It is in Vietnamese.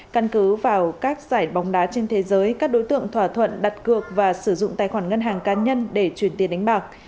căn cứ vào các giải bóng đá trên thế giới các đối tượng thỏa thuận đặt cược và sử dụng tài khoản ngân hàng cá nhân để chuyển tiền đánh bạc